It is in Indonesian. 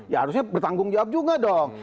ya harusnya bertanggung jawab juga dong